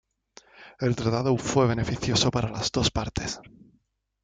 El tratado fue beneficioso para las dos partes.